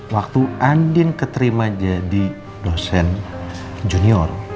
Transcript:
waktu andin keterima jadi dosen junior